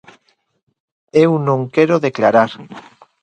Eu non quero declarar.